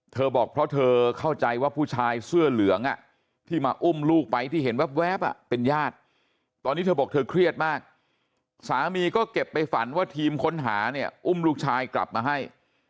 บอกเพราะเธอเข้าใจว่าผู้ชายเสื้อเหลืองที่มาอุ้มลูกไปที่เห็นแว๊บเป็นญาติตอนนี้เธอบอกเธอเครียดมากสามีก็เก็บไปฝันว่าทีมค้นหาเนี่ยอุ้มลูกชายกลับมาให้